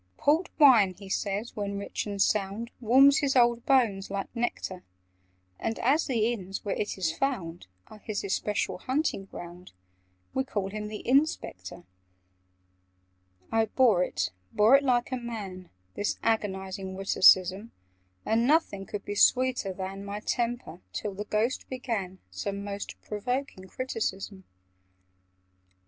[Picture: And here it took the form of thirst] "Port wine, he says, when rich and sound, Warms his old bones like nectar: And as the inns, where it is found, Are his especial hunting ground, We call him the Inn Spectre." I bore it—bore it like a man— This agonizing witticism! And nothing could be sweeter than My temper, till the Ghost began Some most provoking criticism.